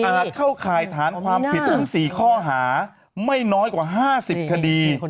เข้าข่ายฐานความผิดทั้ง๔ข้อหาไม่น้อยกว่า๕๐คดี